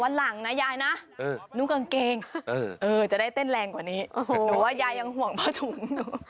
วันหลังนะยายนะนุ่งกางเกงจะได้เต้นแรงกว่านี้หนูว่ายายยังห่วงผ้าถุงหนู